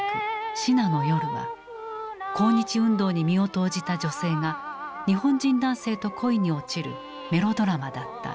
「支那の夜」は抗日運動に身を投じた女性が日本人男性と恋に落ちるメロドラマだった。